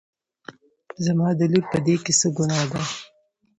زما د لور په دې کې څه ګناه ده